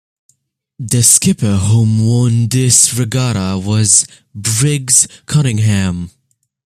The skipper whom won this regatta was Briggs Cunningham.